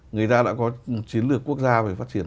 người ta đã có chiến lược quốc gia về phát triển